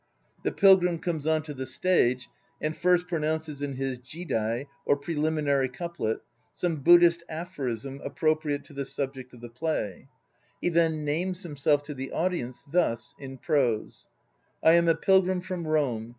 28 INTRODUCTION The Pilgrim comes on to the stage and first pronounces in his Jidai or preliminary couplet, some Buddhist aphorism appropriate to the subject of the play. He then names himself to the audience thus (in prose) : "I am a pilgrim from Rome.